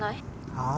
はあ？